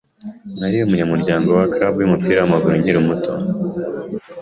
Nari umunyamuryango wa club yumupira wamaguru nkiri muto muto.